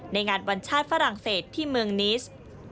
ในงานวันชาติฝรั่งเศสที่เมืองนิส